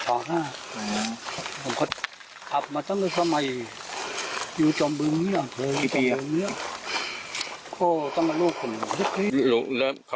โอ้คือต้องเอามานานแล้วแท้ว่าเขาเพิ่งมาบุก